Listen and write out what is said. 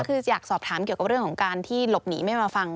คืออยากสอบถามเกี่ยวกับเรื่องของการที่หลบหนีไม่มาฟัง